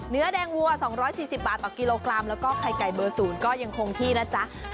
เนื้อแดงวัว๒๔๐บาทต่อกิโลกรัมแล้วก็ไข่ไก่เบอร์๐ก็ยังคงที่นะจ๊ะ